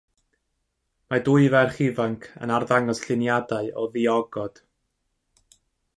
Mae dwy ferch ifanc yn arddangos lluniadau o ddiogod.